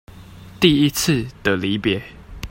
第一次的離別